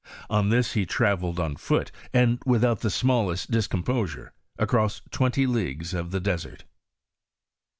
On this, he travelled on foot, and without the smallest discomposure, across twenty leagues of the desert.